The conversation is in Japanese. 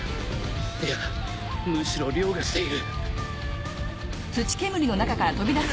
いやむしろ凌駕している！